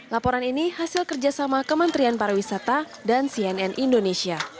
laporan ini hasil kerjasama kementerian pariwisata dan cnn indonesia